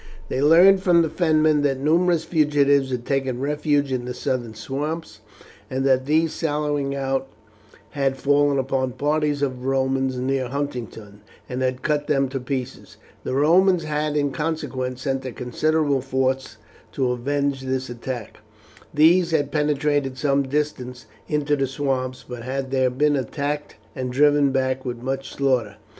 They learned from the Fenmen that numerous fugitives had taken refuge in the southern swamps, and that these sallying out had fallen upon parties of Romans near Huntingdon, and had cut them to pieces. The Romans had in consequence sent a considerable force to avenge this attack. These had penetrated some distance into the swamps, but had there been attacked and driven back with much slaughter.